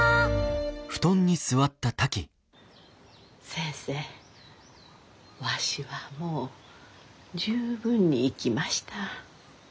先生わしはもう十分に生きました。